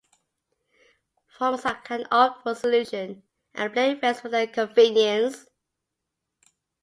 Farmers can opt for solutions and blended rates at their convenience.